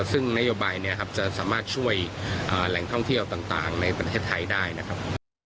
ซึ่งนโยบายเนี่ยครับจะสามารถช่วยแหล่งท่องเที่ยวต่างในประเทศไทยได้นะครับ